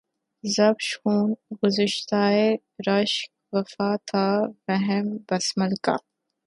ز بس خوں گشتۂ رشک وفا تھا وہم بسمل کا